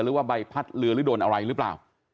หรือว่าใบพัดเรือหรือโดนอะไรหรือเปล่า